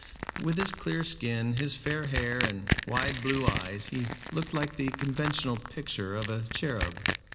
With his clear skin, his fair hair and wide blue eyes he looked like the conventional picture of a cherub.